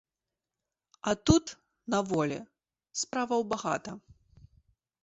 А тут, на волі, справаў багата.